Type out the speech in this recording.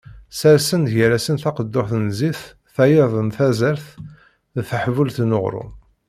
Ssersen-d gar-asen taqedduḥt n zzit, tayeḍ n tazart d teḥbult n uγrum.